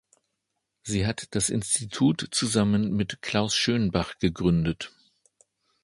Sie hat das Institut zusammen mit Klaus Schönbach gegründet.